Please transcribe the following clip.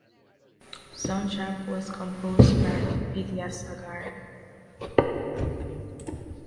Soundtrack was composed by Vidyasagar.